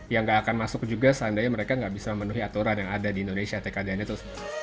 yang nggak akan masuk juga seandainya mereka nggak bisa menuhi aturan yang ada di indonesia tkdn itu